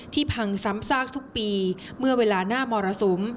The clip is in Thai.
พังซ้ำซากทุกปีเมื่อเวลาหน้ามรสุม